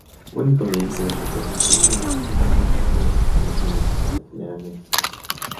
Un inconveniente de este proceso era el largo tiempo de tratamiento necesario, generalmente semanas.